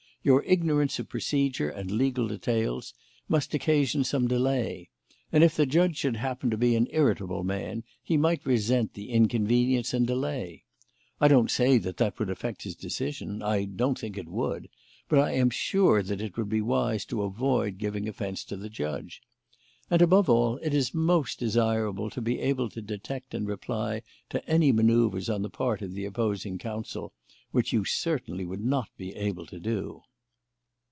Your ignorance of procedure and legal details must occasion some delay; and if the judge should happen to be an irritable man he might resent the inconvenience and delay. I don't say that that would affect his decision I don't think it would but I am sure that it would be wise to avoid giving offence to the judge. And, above all, it is most desirable to be able to detect and reply to any manoeuvres on the part of the opposing counsel, which you certainly would not be able to do."